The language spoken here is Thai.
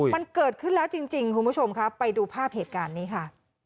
มันเกิดขึ้นแล้วจริงคุณผู้ชมครับไปดูภาพเหตุการณ์นี้ค่ะ